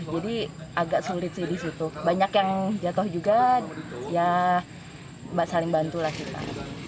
jadi agak sulit sih di situ banyak yang jatuh juga ya saling bantulah kita